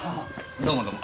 どうもどうも。